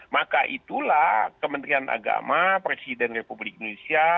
maka itulah kementerian agama presiden republik indonesia